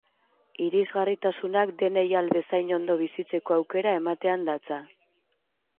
Irisgarritasunak denei ahal bezain ondo bizitzeko aukera ematean datza.